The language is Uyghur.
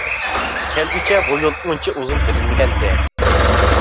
كەلگۈچە بۇ يول ئۇنچە ئۇزۇن بىلىنمىگەنىدى.